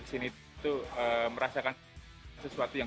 sini itu merasakan sesuatu yang